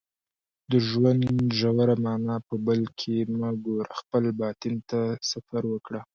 د ژوند ژوره معنا په بل کې مه ګوره خپل باطن ته سفر وکړه